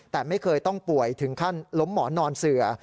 แต่ไม่เคยต้องป่วยถึงขั้นล้มหมอนนอนเสือ